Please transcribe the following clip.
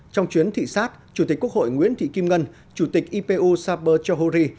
trong chuyến thị sát chủ tịch quốc hội nguyễn thị kim ngân chủ tịch ipu saber chowhuri